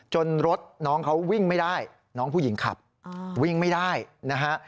รถน้องเขาวิ่งไม่ได้น้องผู้หญิงขับวิ่งไม่ได้นะฮะ